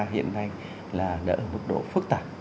hiện nay là đã ở mức độ phức tạp